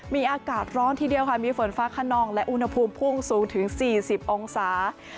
มีอากาศร้อนทีเดียวค่ะมีฝนฟ้าขนองและอุณหภูมิพุ่งสูงถึง๔๐องศา